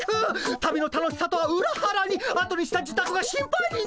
旅の楽しさとはうらはらにあとにした自宅が心配になる。